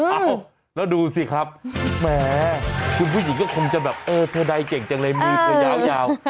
เอ้าแล้วดูสิครับแหมคุณผู้หญิงก็คงจะแบบเออเธอใดเก่งจังเลยมือเธอยาว